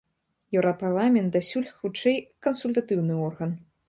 Еўрапарламент дасюль хутчэй кансультатыўны орган.